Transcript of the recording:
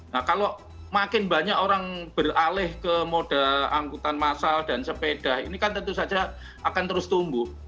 nah kalau makin banyak orang beralih ke moda angkutan massal dan sepeda ini kan tentu saja akan terus tumbuh